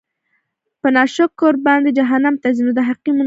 په ناشکر باندي جهنّم ته ځي؛ نو د حقيقي مُنعِم